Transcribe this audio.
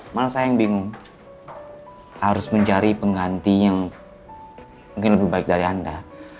malah saya yang bingung harus mencari pengganti yang mungkin lebih baik dari anda